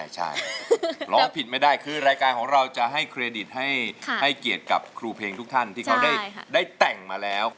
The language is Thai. ใช่ร้องผิดไม่ได้คือรายการของเราจะให้เครดิตให้เกียรติกับครูเพลงทุกท่านที่เขาได้แต่งมาแล้ว